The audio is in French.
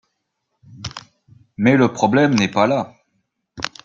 Mais le problème n’est pas là.